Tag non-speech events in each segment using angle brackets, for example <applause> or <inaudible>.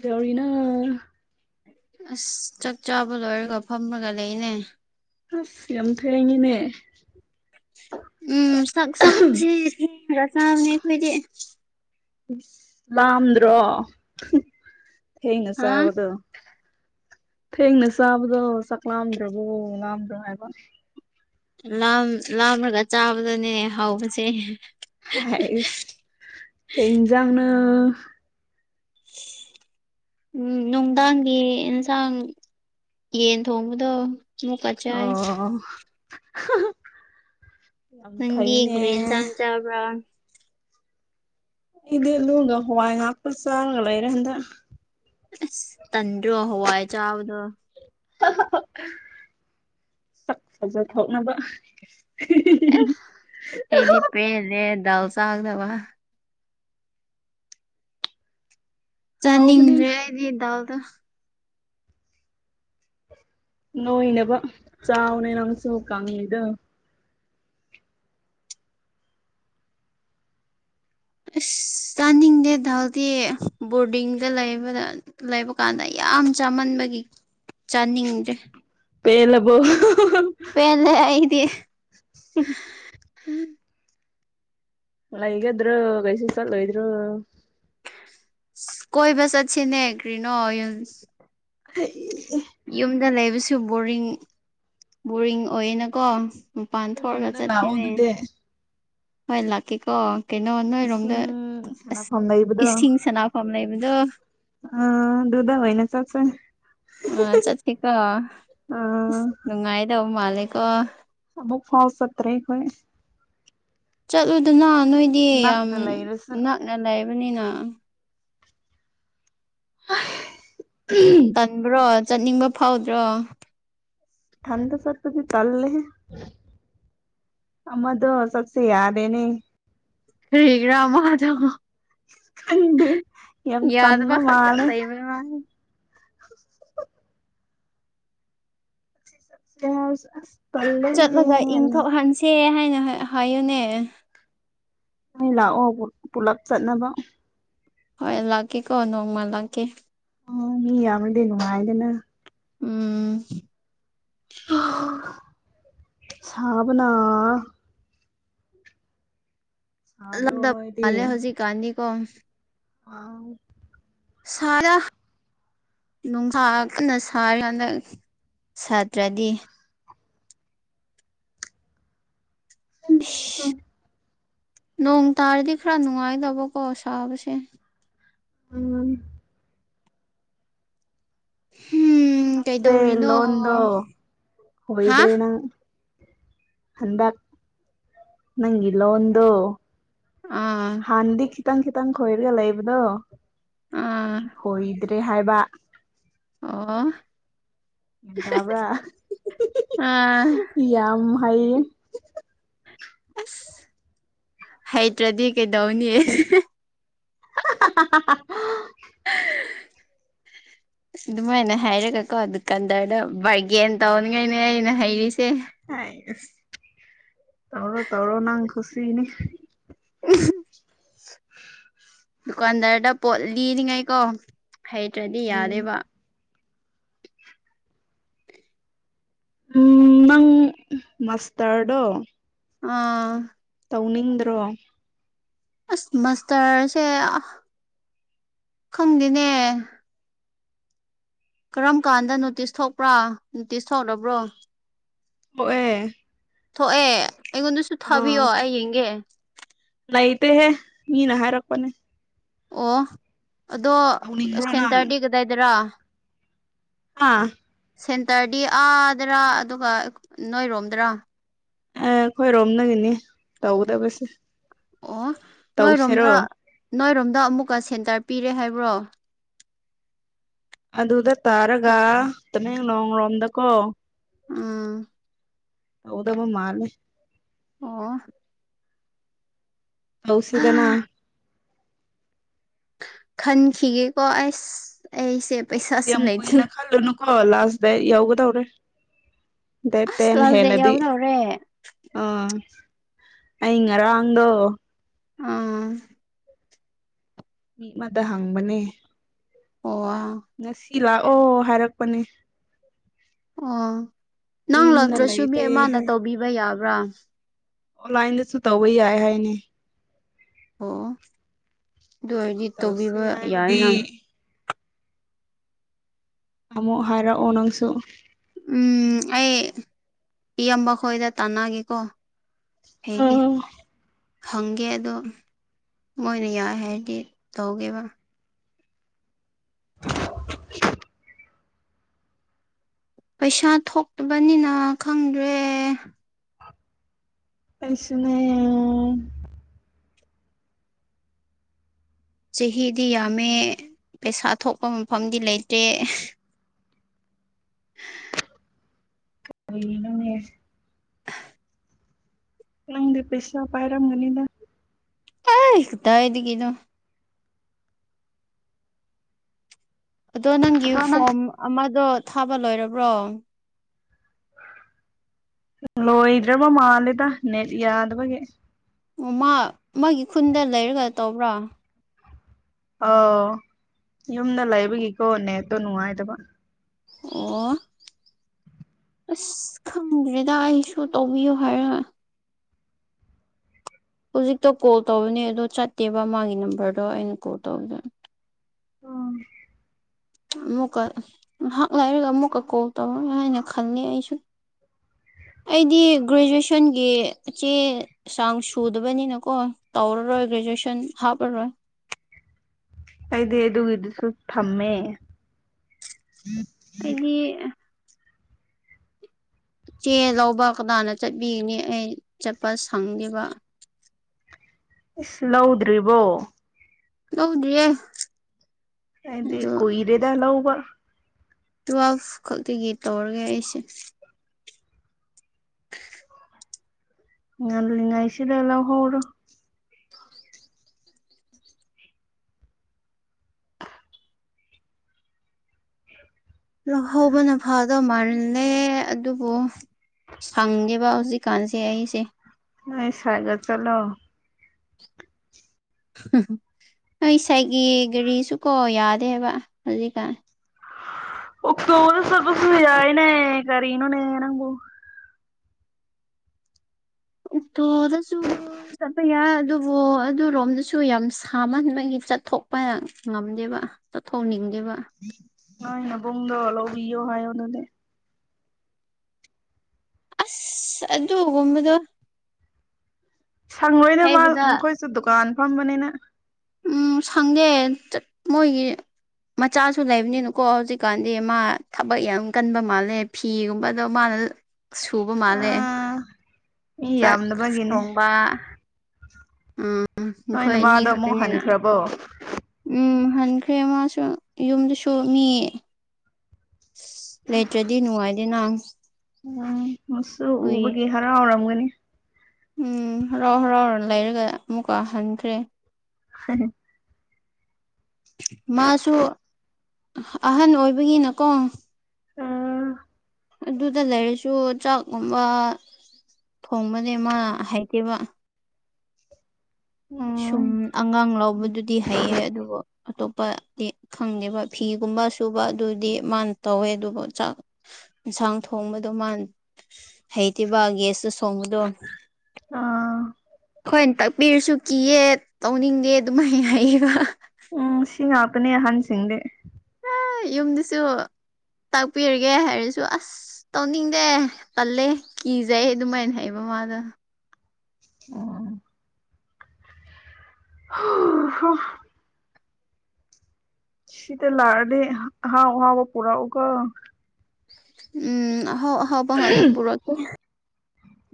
ꯀꯩꯗꯧꯔꯤꯅꯣ ꯑꯁ ꯆꯥꯛ ꯆꯥꯕ ꯂꯣꯏꯔꯒ ꯐꯝꯃꯒ ꯂꯩꯅꯦ ꯑꯁ ꯌꯥꯝ ꯊꯦꯡꯉꯤꯅꯦ ꯎꯝ <unintelligible> ꯑꯩꯈꯣꯏꯗꯤ ꯂꯥꯝꯗ꯭ꯔꯣ ꯊꯦꯡꯅ ꯍꯥ ꯆꯥꯕꯗꯣ ꯊꯦꯡꯅ ꯆꯥꯕꯗꯣ ꯆꯥꯛꯂꯥꯝꯗ꯭ꯔꯕꯣ ꯂꯥꯝꯗ꯭ꯔꯣ ꯍꯥꯏꯕ ꯂꯥꯝ ꯂꯥꯝꯔꯒ ꯆꯥꯕꯗꯨꯅꯦ ꯍꯥꯎꯕꯖꯦ ꯍꯥꯏꯁ ꯀꯩ ꯏꯟꯖꯥꯡꯅꯣ ꯎꯝ ꯅꯨꯡꯗꯥꯡꯒꯤ ꯑꯦꯟꯖꯥꯡ ꯌꯦꯟ ꯊꯣꯡꯕꯗꯣ ꯑꯃꯨꯛꯀ ꯆꯥꯏ ꯑꯣ ꯌꯥꯝ ꯐꯩꯅꯦ ꯇꯕ꯭ꯔꯥ ꯑꯩꯗꯤꯑꯂꯨꯒ ꯍꯋꯥꯏ ꯉꯥꯛꯇ ꯆꯥꯔꯒ ꯂꯩꯔꯦ ꯍꯟꯗꯛ ꯑꯁ ꯇꯟꯗ꯭ꯔꯣ ꯍꯋꯥꯏ ꯆꯥꯕꯗꯣ ꯍꯥ ꯍꯥ ꯍꯥ ꯁꯥꯛ ꯐꯖꯊꯣꯛꯅꯕ ꯍꯤ ꯍꯤ ꯍꯤ ꯑꯁ ꯑꯩꯗꯤ ꯄꯦꯜꯂꯦ ꯗꯥꯜ ꯆꯥꯒꯗꯕ ꯍꯥꯎꯕꯅꯦ ꯆꯥꯅꯤꯡꯗ꯭ꯔꯦ ꯑꯩꯗꯤ ꯗꯥꯜꯗꯣ ꯅꯣꯏꯅꯕ ꯆꯥꯎꯅꯦ ꯅꯪꯁꯨ ꯀꯥꯡꯉꯤꯗꯣ ꯑꯁ ꯆꯥꯅꯤꯡꯗꯦꯗꯥꯜꯗꯤ ꯕꯣꯔꯗꯤꯡꯗ ꯂꯩꯕꯗ ꯂꯩꯕ ꯀꯥꯟꯗ ꯌꯥꯝ ꯆꯥꯃꯟꯕꯒꯤ ꯆꯥꯅꯤꯡꯗ꯭ꯔꯦ ꯄꯦꯜꯂꯕꯣ ꯍꯥ ꯍꯥ ꯍꯥ ꯄꯦꯜꯂꯦ ꯑꯩꯗꯤ <unintelligible> ꯍꯝ ꯂꯩꯒꯗ꯭ꯔꯣ ꯀꯩꯁꯨ ꯆꯥꯠꯂꯣꯏꯗ꯭ꯔꯣ ꯀꯣꯏꯕ ꯆꯠꯁꯤꯅꯦ ꯀꯔꯤꯅꯣ ꯌꯨꯟꯁ ꯍꯩ ꯌꯨꯝꯗ ꯂꯩꯕꯁꯨ ꯕꯣꯔꯤꯡ ꯕꯣꯔꯤꯡ ꯑꯣꯏꯌꯦꯅꯀꯣ ꯃꯄꯥꯟ ꯊꯣꯛꯔꯒ ꯑꯩꯈꯣꯏꯔꯣꯝꯗ ꯂꯥꯛꯑꯣ ꯆꯠꯁꯤꯅꯦ ꯑꯗꯨꯗꯤ ꯍꯣꯏ ꯂꯥꯛꯀꯦꯀꯣ ꯀꯩꯅꯣ ꯅꯣꯏꯔꯣꯝꯗ ꯏꯁꯤꯡ ꯑꯁ ꯁꯥꯟꯅꯐꯝ ꯂꯩꯕꯗꯣ ꯏꯁꯤꯡ ꯁꯥꯅ ꯐꯝ ꯂꯩꯕꯗꯣ ꯑꯥ ꯑꯗꯨꯗ ꯑꯣꯏꯅ ꯆꯥꯠꯁꯦ ꯑꯥ ꯆꯠꯁꯤꯀꯣ ꯑ ꯑꯁ ꯅꯨꯡꯉꯥꯏꯗꯧ ꯃꯥꯂꯦꯀꯣ ꯑꯃꯨꯛꯐꯥꯎ ꯆꯠꯇ꯭ꯔꯤ ꯑꯩꯈꯣꯏ ꯆꯠꯂꯨꯗꯅ ꯅꯣꯏꯗꯤ ꯌꯥꯝ ꯅꯛꯅ ꯂꯩꯔꯁꯨ ꯅꯛꯅ ꯂꯩꯕꯅꯤꯅ ꯑꯍꯝ ꯇꯟꯕ꯭ꯔꯣ ꯆꯠꯅꯤꯡꯕ ꯐꯥꯎꯗ꯭ꯔꯣ ꯊꯥꯟꯗ ꯆꯠꯄꯗꯤ ꯇꯜꯂꯦꯍꯦ ꯑꯃꯗꯣ ꯆꯠꯁꯦ ꯌꯥꯗꯦꯅꯦ ꯀꯔꯤꯒꯤꯔ ꯃꯗꯣ ꯈꯪꯗꯦ ꯌꯥꯝ ꯇꯟꯕ ꯌꯥꯗ ꯈꯛꯇ ꯃꯥꯜꯂꯦ ꯂꯩꯕ ꯋꯥꯅꯤ <unintelligible> ꯆꯠꯂꯒ ꯏꯪꯊꯣꯛꯍꯟꯁꯦ ꯍꯥꯏꯅ ꯍꯥꯏꯌꯣꯅꯦ ꯅꯣꯏ ꯂꯥꯛꯑꯣ ꯄꯨ ꯄꯨꯂꯞ ꯆꯠꯅꯕ ꯍꯣꯏ ꯂꯥꯛꯀꯦꯀꯣ ꯅꯣꯡꯃ ꯂꯥꯛꯀꯦ ꯑꯣ ꯃꯤ ꯌꯥꯝꯃꯗꯤ ꯅꯨꯡꯉꯥꯏꯗꯅ ꯎꯝ ꯁꯥꯕꯅꯥ ꯁꯥꯗ꯭ꯔꯣ ꯂꯥꯛꯗꯞ ꯅꯣꯏꯗꯤ ꯃꯥꯜꯂꯦ ꯍꯧꯖꯤꯛ ꯀꯥꯟꯗꯤ ꯀꯣ <unintelligible> ꯁꯥꯏꯗ ꯅꯨꯡꯁꯥ ꯀꯟꯅ ꯁꯥꯔꯤ ꯍꯟꯗꯛ ꯁꯥꯇ꯭ꯔꯗꯤ ꯅꯣꯡ ꯇꯥꯔꯗꯤ ꯈꯔ ꯅꯨꯡꯉꯥꯏꯒꯗꯕꯀꯣ ꯁꯥꯕꯁꯦ ꯎꯝ ꯍꯨꯝ ꯁꯦ ꯂꯣꯟꯗꯣ ꯍꯥ ꯈꯣꯏꯗ꯭ꯔꯦ ꯅꯪ ꯍꯟꯗꯛ ꯅꯪꯒꯤ ꯂꯣꯟꯗꯣ ꯑꯥ ꯍꯥꯟꯅꯗꯤ ꯈꯤꯇꯪ ꯈꯤꯇꯪ ꯈꯣꯏꯔꯒ ꯂꯩꯕꯗꯣ ꯑꯥ ꯈꯣꯏ ꯗ꯭ꯔꯦ ꯍꯥꯏꯕ ꯑꯣ ꯒ꯭ꯌꯥꯟ ꯇꯥꯕ꯭ꯔꯥ ꯑꯥ ꯌꯥꯝ ꯍꯩꯌꯦ ꯑꯁ ꯍꯩꯇ꯭ꯔꯗꯤ ꯀꯩꯗꯧꯅꯤ <unintelligible> ꯑꯗꯨꯃꯥꯏꯅ ꯍꯥꯏꯔꯒꯀꯣ ꯗꯨꯀꯥꯟꯗꯔꯗ ꯕꯥꯔꯒꯦꯟ ꯇꯧꯅꯤꯡꯉꯥꯏꯅꯦ ꯑꯩꯅ ꯍꯩꯔꯤꯁꯦ ꯍꯥꯏꯁ ꯇꯧꯔꯣ ꯇꯧꯔꯣ ꯅꯪ ꯀꯨꯁꯤꯅꯤ <unintelligible> ꯗꯨꯀꯥꯟꯗꯥꯔꯗ ꯄꯣꯠ ꯂꯤꯔꯤꯉꯩꯀꯣ ꯍꯩꯇ꯭ꯔꯗꯤ ꯎꯝ ꯌꯥꯗꯦꯕ ꯎꯝ ꯅꯪ ꯃꯥꯁꯇꯔꯗꯣ ꯑꯥ ꯇꯧꯅꯤꯡꯗ꯭ꯔꯣ ꯑꯁ ꯃꯥꯁꯇꯔꯁꯦ ꯑꯥ ꯈꯪꯗꯦꯅꯦ ꯀꯔꯝ ꯀꯥꯟꯗ ꯅꯣꯇꯤꯁ ꯊꯣꯛꯄ꯭ꯔꯥ ꯅꯣꯇꯤꯁ ꯊꯣꯛꯂꯕ꯭ꯔꯣ ꯊꯣꯛꯑꯦ ꯊꯣꯛꯑꯦ ꯑꯩꯉꯣꯟꯗꯁꯨ ꯑꯥ ꯊꯥꯕꯤꯌꯣ ꯑꯩ ꯌꯦꯡꯒꯦ ꯂꯩꯇꯦꯍꯦ ꯃꯤꯅ ꯍꯥꯏꯔꯛꯄꯅꯦ ꯑꯣ ꯑꯗꯣ ꯇꯧꯅꯤꯡꯕ꯭ꯔꯣ ꯅꯪ ꯁꯦꯟꯇꯔꯗꯤ ꯀꯗꯥꯏꯗꯔꯥ ꯑꯥ ꯁꯦꯟꯇꯔꯗꯤ ꯑꯥꯗꯔꯥ ꯑꯗꯨꯒ ꯅꯣꯏꯔꯣꯝꯗꯔꯥ ꯑꯦ ꯑꯩꯈꯣꯏꯔꯣꯝꯗꯒꯤꯅꯤ ꯇꯧꯒꯗꯕꯁꯦ ꯑꯣ ꯇꯧꯁꯤꯔꯣ ꯅꯣꯏꯔꯣꯝꯗ ꯅꯣꯏꯔꯣꯝꯗ ꯑꯃꯨꯛꯀ ꯁꯦꯟꯇꯔ ꯄꯤꯔꯦ ꯍꯥꯏꯕ꯭ꯔꯣ ꯑꯗꯨꯗ ꯇꯥꯔꯒ ꯇꯃꯦꯡꯂꯣꯡꯔꯣꯝꯗꯀꯣ ꯎꯝ ꯍꯧꯒꯗꯕ ꯃꯥꯜꯂꯦ ꯑꯣ ꯇꯧꯁꯤꯗꯅꯥ ꯈꯟꯈꯤꯒꯦꯀꯣ ꯑꯩꯁ ꯑꯩꯁꯦ ꯑꯁ ꯄꯩꯁꯥꯁꯨ ꯌꯥꯝ ꯂꯩꯇꯦ ꯀꯨꯏꯅ ꯈꯜꯂꯨꯅꯨꯀꯣ ꯂꯥꯁ ꯗꯦꯠ ꯌꯧꯒꯗꯧꯔꯦ ꯗꯦꯠ ꯑꯁ ꯇꯦꯟ ꯂꯥꯁ ꯗꯦꯠ ꯍꯦꯜꯂꯗꯤ ꯌꯥꯎꯗꯧꯔꯦ ꯑꯥ ꯑꯩ ꯉꯔꯥꯡꯗꯣ ꯑꯥ ꯃꯤ ꯑꯃꯗ ꯍꯪꯕꯅꯦ ꯑꯣꯋꯥ ꯉꯁꯤ ꯂꯥꯛꯑꯣ ꯍꯥꯏꯔꯛꯄꯅꯦ ꯑꯣ ꯑꯩ ꯅꯪ ꯌꯨꯝꯗ ꯂꯛꯇ꯭ꯔꯁꯨ ꯃꯤ ꯂꯩꯇꯦ ꯑꯃꯥꯅ ꯍꯥꯏ ꯇꯧꯕꯤꯕ ꯌꯥꯕ꯭ꯔꯥ ꯑꯣꯟꯂꯥꯏꯟꯗꯁꯨ ꯇꯧꯕ ꯌꯥꯏ ꯍꯥꯏꯅꯦ ꯑꯣ ꯑꯗꯨ ꯑꯣꯏꯗꯤ ꯇꯧꯁꯦ ꯇꯧꯕꯤꯕ ꯍꯥꯏꯔꯗꯤ ꯌꯥꯏꯅ ꯑꯃꯨꯛ ꯍꯥꯏꯔꯛꯑꯣ ꯅꯪꯁꯨ ꯎꯝ ꯑꯩ ꯏꯌꯥꯝꯕ ꯈꯣꯏꯗ ꯇꯥꯟꯅꯒꯦꯀꯣ ꯍꯦꯡꯒꯤ ꯑꯥ ꯍꯪꯒꯦ ꯑꯗꯣ ꯃꯣꯏꯅ ꯌꯥꯏ ꯍꯥꯏꯔꯗꯤ ꯇꯧꯒꯦꯕ <inaudible> ꯄꯩꯁꯥ ꯊꯣꯛꯇꯕꯅꯤꯅ ꯈꯪꯗ꯭ꯔꯦ ꯑꯩꯁꯨꯅꯦ ꯆꯍꯤꯗꯤ ꯌꯥꯝꯃꯦ ꯄꯩꯁꯥ ꯊꯣꯛꯄ ꯃꯐꯝꯗꯤ ꯂꯩꯇ꯭ꯔꯦ <unintelligible> <unintelligible> ꯍꯪꯗꯤ ꯄꯩꯁꯥ ꯄꯥꯏꯔꯝꯒꯅꯤꯗ ꯑꯥꯏ ꯀꯗꯥꯏꯗꯒꯤꯅꯣ ꯑꯗꯣ ꯅꯪꯒꯤ ꯑꯗꯣ ꯅꯪ ꯐꯣꯝ ꯑꯃꯗꯣ ꯊꯥꯕ ꯂꯣꯏꯔꯕ꯭ꯔꯣ ꯂꯣꯏꯗ꯭ꯔꯕ ꯃꯥꯜꯂꯦꯗ ꯅꯦꯠ ꯌꯥꯗꯕꯒꯤ ꯑꯣ ꯃꯥ ꯃꯥꯒꯤ ꯈꯨꯟꯗ ꯂꯩꯔꯒ ꯇꯧꯕ꯭ꯔꯥ ꯑꯥꯎ ꯌꯨꯝꯗ ꯂꯩꯕꯒꯤꯀꯣ ꯅꯦꯠꯇꯣ ꯅꯨꯡꯉꯥꯏꯗꯕ ꯑꯣ ꯑꯁ ꯈꯪꯗ꯭ꯔꯤꯗ ꯑꯩꯁꯨ ꯇꯧꯕꯤꯌꯨ ꯍꯥꯏꯔꯒ ꯍꯧꯖꯤꯛꯇꯣ ꯀꯣꯜ ꯇꯧꯕꯅꯦ ꯑꯗꯣ ꯆꯠꯇꯦꯕ ꯃꯥꯒꯤ ꯅꯝꯕꯔꯗꯣ ꯑꯩꯅ ꯀꯣꯜ ꯇꯧꯕꯗ ꯎꯝ ꯑꯃꯨꯛꯀ ꯉꯥꯏꯍꯥꯛ ꯉꯥꯏꯔꯒ ꯑꯃꯨꯛꯀ ꯀꯣꯜ ꯇꯧꯔꯒꯦ ꯍꯥꯏꯅ ꯈꯂꯦ ꯑꯩꯁꯨ ꯑꯩꯗꯤ ꯒ꯭ꯔꯦꯖꯨꯑꯦꯁꯟꯒꯤ ꯆꯦ ꯆꯥꯡ ꯁꯨꯗꯕꯅꯤꯅꯀꯣ ꯇꯧꯔꯔꯣꯏ ꯒ꯭ꯔꯦꯖꯨꯑꯦꯁꯟ ꯍꯥꯞꯂꯔꯣꯏ ꯑꯩꯗꯤ ꯑꯗꯨꯒꯤꯗꯨꯁꯨ ꯊꯝꯃꯦ ꯑꯩꯗꯤ ꯆꯦ ꯂꯧꯕ ꯀꯗꯥꯅ ꯆꯠꯕꯤꯅꯤ ꯑꯩ ꯆꯠꯄ ꯁꯪꯗꯦꯕ ꯏꯁ ꯂꯧꯗ꯭ꯔꯤꯕꯣ ꯂꯧꯗ꯭ꯔꯤꯌꯦ ꯑꯩꯗꯤ ꯑꯗꯣ ꯀꯨꯏꯔꯦꯗꯥ ꯂꯧꯕ ꯇꯨꯌꯦꯜꯐ ꯈꯛꯇꯒꯤ ꯇꯧꯔꯒꯦ ꯑꯩꯁꯦ ꯉꯜꯂꯤꯉꯩꯁꯤꯗ ꯂꯧꯍꯧꯔꯣ ꯂꯧꯍꯧꯕꯅ ꯐꯥꯗꯧ ꯃꯥꯜꯂꯦ ꯑꯗꯨꯕꯨ ꯁꯪꯗꯦꯕ ꯍꯧꯖꯤꯛꯀꯥꯟꯁꯦ ꯑꯩꯁꯦ ꯅꯣꯏ ꯁꯔꯒ ꯆꯠꯂꯣ ꯍꯣꯏ ꯁꯥꯏꯒꯤ ꯒꯥꯔꯤꯁꯨ ꯀꯣ ꯌꯥꯗꯦ ꯍꯥꯏꯕ ꯍꯧꯖꯤꯛꯀꯥꯟ ꯑꯣꯛꯇꯣꯗ ꯆꯠꯂꯁꯨ ꯌꯥꯏꯅꯦ ꯀꯔꯤꯅꯣꯅꯦ ꯅꯪꯕꯨ ꯑꯣꯛꯇꯣꯗꯁꯨ ꯆꯠꯄ ꯌꯥꯏ ꯑꯗꯨꯕꯨ ꯑꯗꯨꯔꯣꯝꯗꯁꯨ ꯌꯥꯝ ꯁꯥꯃꯟꯕꯒꯤ ꯆꯠꯊꯣꯛꯄ ꯉꯝꯗꯦꯕ ꯆꯠꯊꯣꯛꯅꯤꯡꯗꯦꯕ ꯅꯣꯏ ꯅꯕꯨꯡꯗꯣ ꯂꯧꯕꯤꯌꯣ ꯍꯥꯏꯌꯣꯗꯨꯗꯤ ꯑꯁ ꯑꯗꯨ ꯒꯨꯝꯕꯗꯣ ꯁꯉꯣꯏꯗ ꯃꯥ ꯍꯥꯏꯕꯗ ꯃꯈꯣꯏꯁꯨ ꯗꯨꯀꯥꯟ ꯐꯝꯕꯅꯤꯅ ꯎꯝ ꯁꯪꯗꯦ ꯃꯣꯏꯒꯤ ꯃꯆꯥꯁꯨ ꯂꯩꯕꯅꯤꯅꯀꯣ ꯍꯧꯖꯤꯛꯀꯥꯟꯗꯤ ꯃꯥ ꯊꯕꯛ ꯌꯥꯝ ꯀꯟꯕ ꯃꯥꯜꯂꯦ ꯐꯤꯒꯨꯝꯕꯗꯣ ꯃꯥꯅ ꯁꯨꯕ ꯃꯥꯜꯂꯦ ꯑꯥ ꯃꯤ ꯆꯥꯛ ꯌꯥꯝꯗꯕꯒꯤꯅꯦ ꯁꯣꯡꯕ ꯎꯝ ꯎꯝ ꯅꯣꯏ ꯈꯣꯏꯅꯤ ꯅꯃꯥꯗꯣ ꯑꯃꯨꯛ ꯈꯛꯇꯅꯤꯅ ꯍꯟꯈ꯭ꯔꯕꯣ ꯎꯝ ꯍꯟꯈ꯭ꯔꯦ ꯃꯥꯁꯨ ꯌꯨꯝꯗꯁꯨ ꯃꯤ ꯂꯩꯇ꯭ꯔꯗꯤ ꯅꯨꯡꯉꯥꯏꯗꯦꯅ ꯎꯝ ꯃꯁꯨ ꯀꯨꯏ ꯎꯕꯒꯤ ꯍꯔꯥꯎꯔꯝꯒꯅꯤ ꯎꯝ ꯍꯔꯥꯎ ꯍꯔꯥꯎꯔ ꯂꯩꯔꯒ ꯑꯃꯨꯛꯀ ꯍꯟꯈ꯭ꯔꯦ <unintelligible> ꯃꯥꯁꯨ ꯑꯍꯟ ꯑꯣꯏꯕꯒꯤꯅꯀꯣ ꯑꯥ ꯑꯗꯨꯗ ꯂꯩꯔꯁꯨ ꯆꯥꯛꯀꯨꯝꯕ ꯊꯣꯡꯕꯅꯦ ꯃꯥ ꯍꯥꯏꯇꯦꯕ ꯎꯝ ꯁꯨꯝ ꯑꯉꯥꯡ ꯂꯧꯕꯗꯨꯗꯤ ꯍꯩꯌꯦ ꯑꯗꯨꯕꯨ ꯑꯇꯣꯞꯄꯗꯤ ꯈꯪꯗꯦꯕ ꯐꯤꯒꯨꯝꯕ ꯁꯨꯕ ꯑꯗꯨꯗꯤ ꯃꯥꯅ ꯇꯧꯋꯦ ꯑꯗꯨꯕꯨ ꯆꯥꯛ ꯌꯦꯟꯁꯥꯡ ꯊꯣꯡꯕꯗꯣ ꯃꯥ ꯍꯩꯇꯕ ꯒꯦꯌꯥꯁꯇꯨ ꯁꯣꯡꯕꯗꯣ ꯑꯥ ꯈꯣꯏꯅ ꯇꯥꯛꯄꯤꯔꯁꯨ ꯀꯤꯌꯦ ꯇꯧꯅꯤꯡꯗꯦ ꯑꯗꯨꯃꯥꯏꯅ ꯍꯥꯏꯌꯦꯕ ꯎꯝ ꯁꯤ ꯉꯥꯛꯄꯅꯦ ꯑꯍꯟꯁꯤꯡꯗꯤ ꯍꯥ ꯌꯨꯝꯗꯁꯨ ꯇꯥꯛꯄꯤꯔꯒꯦ ꯍꯥꯏꯔꯁꯨ ꯑꯁ ꯑꯁ ꯇꯧꯅꯤꯡꯗꯦ ꯄꯜꯂꯦ ꯀꯤꯖꯩ ꯑꯗꯨꯃꯥꯏꯅ ꯍꯥꯏꯕ ꯃꯥꯗꯣ ꯎꯝ <unintelligible> ꯁꯤꯇ ꯂꯥꯛꯑꯗꯤ ꯑꯍꯥꯎ ꯑꯍꯥꯎꯕ ꯄꯨꯔꯛꯎ ꯀꯣ ꯎꯝ ꯑꯍꯥꯎ ꯑꯍꯥꯎꯕ ꯉꯥꯠꯇ ꯄꯨꯔꯛꯀꯦ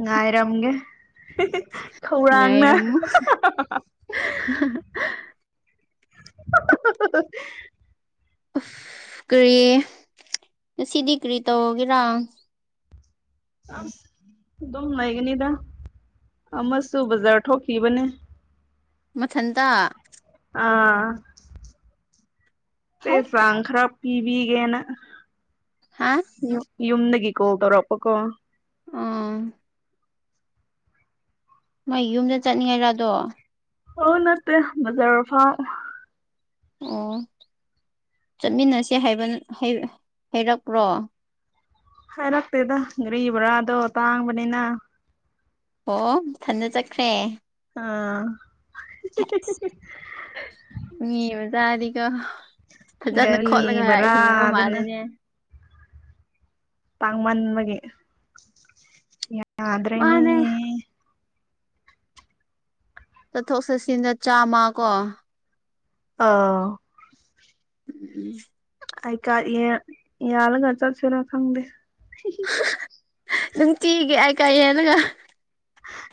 ꯉꯥꯏꯔꯝꯒꯦ ꯈꯧꯔꯥꯡꯅ ꯉꯥꯏꯔꯝꯃꯨ <inaudible> <unintelligible> ꯎꯐ ꯀꯔꯤ ꯉꯁꯤꯗꯤ ꯀꯔꯤ ꯇꯧꯒꯦꯔꯥ ꯑꯗꯨꯝ ꯂꯩꯒꯅꯤꯗ ꯑꯃꯁꯨ ꯕꯖꯥꯔ ꯊꯣꯛꯈꯤꯕꯅꯦ ꯃꯊꯟꯇ ꯑꯥ ꯆꯦ ꯍꯩ ꯆꯥꯕ ꯈꯔꯥ ꯄꯤꯕꯤꯒꯦꯅ ꯍꯥ ꯌꯨꯝ ꯌꯨꯝꯗꯒꯤ ꯀꯣꯜ ꯇꯧꯔꯛꯄꯀꯣ ꯑꯥ ꯃꯥꯏ ꯌꯨꯝꯗ ꯆꯠꯅꯤꯡꯉꯥꯏꯔꯗꯣ ꯍꯣ ꯅꯠꯇꯦ ꯃꯖꯔ ꯐꯥꯎ ꯑꯣ ꯆꯠꯃꯤꯟꯅꯁꯦ ꯍꯥꯏꯕ ꯍꯥꯏꯔꯛꯄ꯭ꯔꯣ ꯍꯥꯏꯔꯛꯇꯦꯗ ꯒꯔꯤ ꯕ꯭ꯔꯥꯗꯣ ꯇꯥꯡꯕꯅꯤꯅ ꯑꯣ ꯃꯊꯟꯗ ꯆꯠꯈ꯭ꯔꯦ ꯑꯥ ꯃꯤ ꯃꯆꯥꯗꯤꯀꯣ ꯐꯖꯅ ꯒꯥꯔꯤ ꯈꯣꯠꯂꯒ ꯍꯤꯡꯕ ꯕꯔꯥꯗꯨꯅ ꯃꯥꯜꯂꯦꯅꯦ ꯇꯥꯡ ꯃꯟꯕꯒꯤ ꯌꯥꯗ꯭ꯔꯦꯅꯦ ꯃꯥꯅꯦ ꯆꯠꯊꯣꯛ ꯆꯠꯁꯤꯟꯗ ꯆꯥꯝꯃ ꯀꯣ ꯑꯥꯎ ꯎꯝ꯫ ꯑꯥꯏ ꯀꯥꯔꯗ ꯌꯥꯜ ꯌꯥꯜꯂꯒ ꯆꯠꯁꯦꯔ ꯈꯪꯗꯦ ꯅꯨꯡꯇꯤꯒꯤ ꯑꯥꯏ ꯀꯥꯔꯗ ꯌꯥꯜꯂꯒ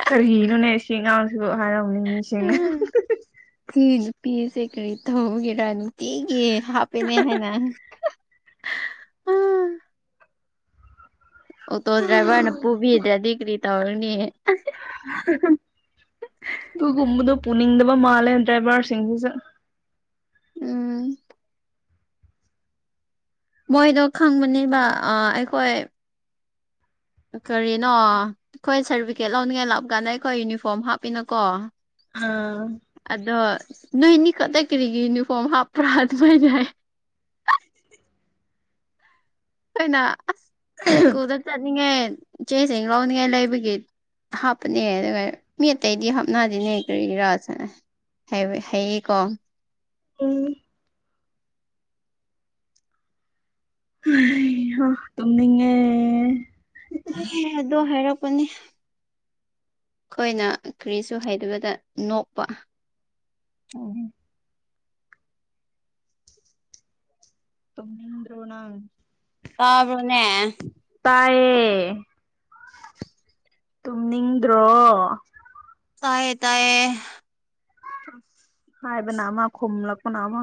ꯀꯔꯤꯅꯣꯅꯦ ꯁꯤ ꯑꯉꯥꯡꯁꯤꯕꯨ ꯍꯥꯏꯔꯝꯒꯅꯤ ꯃꯤꯁꯤꯡꯅ ꯎꯝ ꯁꯤ ꯅꯨꯄꯤꯁꯦ ꯀꯔꯤ ꯇꯧꯒꯦꯔꯥ ꯅꯨꯡꯇꯤꯒꯤ ꯍꯥꯞꯄꯦꯅꯦ ꯍꯥꯏꯅ ꯑꯣꯇꯣ ꯗ꯭ꯔꯥꯏꯚꯔꯅ ꯄꯨꯕꯤꯗ꯭ꯔꯥꯗꯤ ꯀꯔꯤ ꯇꯧꯔꯅꯤ ꯑꯁ ꯑꯗꯨꯒꯨꯝꯕꯗꯣ ꯄꯨꯅꯤꯡꯗꯕ ꯃꯥꯜꯂꯦ ꯗ꯭ꯔꯥꯏꯚꯔꯁꯤꯡꯁꯤꯁꯨ ꯎꯝ꯫ ꯃꯣꯏꯗꯣ ꯈꯪꯕꯅꯦꯕ ꯑꯥ ꯑꯩꯈꯣꯏ ꯀꯔꯤꯅꯣ ꯑꯩꯈꯣꯏ ꯁꯥꯔꯇꯤꯐꯤꯀꯦꯠ ꯂꯧꯅꯤꯡꯉꯥꯏ ꯂꯥꯞꯄꯀꯥꯟꯗ ꯑꯩꯈꯣꯏ ꯌꯨꯅꯤꯐꯣꯔꯝ ꯍꯥꯞꯄꯤꯅꯀꯣ ꯑꯥ ꯑꯗꯣ ꯅꯣꯏꯅꯤ ꯈꯨꯛꯇ ꯀꯔꯤꯒꯤ ꯌꯨꯅꯤꯐꯣꯔꯝ ꯍꯥꯞꯄ꯭ꯔꯥ ꯑꯗꯨꯃꯥꯏꯅ ꯍꯥꯏ ꯑꯩꯅ ꯑꯁ ꯁ꯭ꯀꯨꯜꯗ ꯆꯠꯅꯤꯡꯉꯦ ꯏꯆꯦ ꯆꯦꯡ ꯂꯧꯅꯤꯡꯉꯥꯏ ꯂꯩꯕꯒꯤ ꯍꯥꯞꯄꯅꯦ ꯑꯗꯨꯒ ꯃꯤ ꯑꯇꯩꯗꯤ ꯍꯥꯞꯅꯗꯅꯦ ꯀꯔꯤ ꯔꯥꯥꯁ ꯁꯥꯏꯅ ꯍꯥꯏꯕꯩ ꯍꯥꯏꯌꯦꯀꯣ ꯎꯝ ꯍꯩꯍꯥ ꯇꯨꯝꯅꯤꯡꯉꯦ ꯍꯥꯏꯌꯦ ꯑꯗꯣ ꯍꯥꯏꯔꯛꯄꯅꯤ ꯑꯩꯈꯣꯏꯅ ꯀꯔꯤꯁꯨ ꯍꯩꯗꯕꯗ ꯅꯣꯛꯄ ꯇꯨꯝꯅꯤꯡꯗ ꯁꯨ ꯅꯪ ꯇꯥꯕ꯭ꯔꫭꯅꯦ ꯇꯥꯏꯌꯦ ꯇꯨꯝꯅꯤꯡꯗ꯭ꯔꯣ ꯇꯥꯏꯌꯦ ꯇꯥꯏꯌꯦ ꯑꯁ ꯍꯥꯏꯕꯅꯥ ꯑꯃꯥ ꯈꯨꯝꯂꯥꯛꯄꯅ ꯑꯃꯥ